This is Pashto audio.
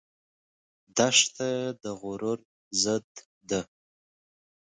دښته د غرور ضد ده.